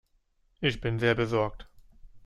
Ich bin sehr besorgt.